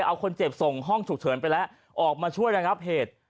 เอาคนเจ็บส่งห้องฉุกเฉินไปแล้วออกมาช่วยระงับเหตุ